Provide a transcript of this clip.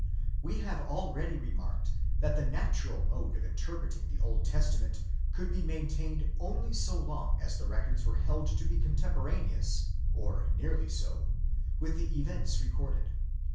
® We have already remarked, that the natural mode of interpreting the Oid Testament could be maintained only so long as the records were held to be contemporaneous, or nearly so, with the events recorded.